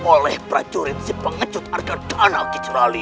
oleh prajurit si pengecut harga dana kecuali